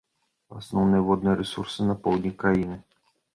Асноўныя водныя рэсурсы на поўдні краіны.